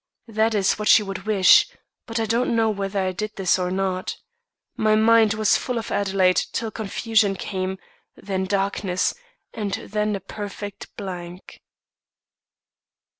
That is what she would wish; but I don't know whether I did this or not. My mind was full of Adelaide till confusion came then darkness and then a perfect blank."